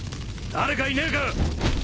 誰かいねえか！？